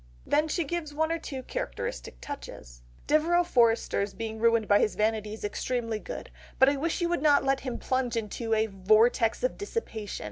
Then she gives one or two characteristic touches. "Devereux Forester's being ruined by his vanity is extremely good, but I wish you would not let him plunge into a 'vortex of dissipation.